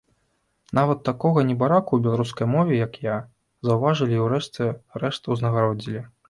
Нават такога небараку ў беларускай мове як я, заўважылі і ў рэшце рэшт узнагародзілі.